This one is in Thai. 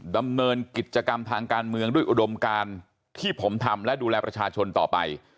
ดำเนินกิจกรรมทางการเมืองด้วยอุดมการที่ผมทำและดูแลประชาชนต่อไป